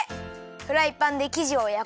フライパンできじをやこう！